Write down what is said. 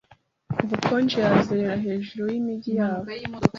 Ubukonje yazerera hejuru yimijyi yabo